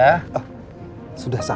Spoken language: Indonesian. oh sudah siap ya